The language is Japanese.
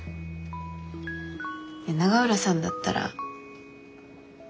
永浦さんだったら。